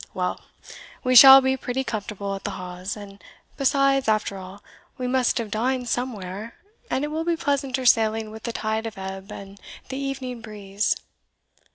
Well! we shall be pretty comfortable at the Hawes; and besides, after all, we must have dined somewhere, and it will be pleasanter sailing with the tide of ebb and the evening breeze."